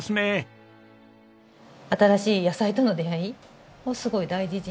新しい野菜との出会いをすごい大事に。